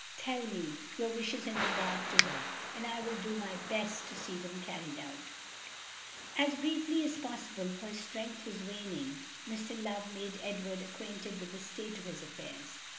Tell me your wishes in regard to her, and I will do my best to see them carried out." As briefly as possible, for his strength was waning, Mr. Love made Edward acquainted with the state of his affairs.